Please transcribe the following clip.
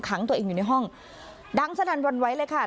ขังตัวเองอยู่ในห้องดังสนั่นวันไว้เลยค่ะ